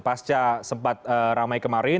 pasca sempat ramai kemarin